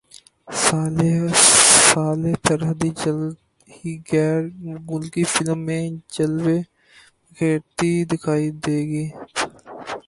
ژالے سرحدی جلد ہی غیر ملکی فلم میں جلوے بکھیرتی دکھائی دیں گی